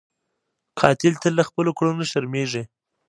قاتل تل له خپلو کړنو شرمېږي